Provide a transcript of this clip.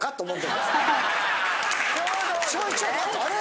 ちょいちょい待ってあれ？